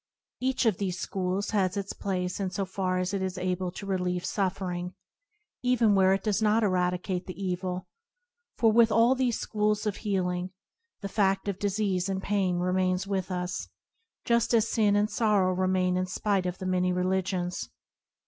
Each of these schools has its place in so far as it is able to relieve suffer ing, even where it does not eradicate the evil ; for with all these schools of healing, the fads of disease and pain remain with us, just as sin and sorrow remain in spite of the many religions.